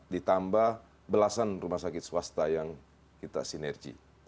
ditambah belasan rumah sakit swasta yang kita sinergi